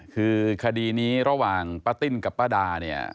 คือคดีนี้ระหว่างป้าติ้นกับป้าดาเนี่ย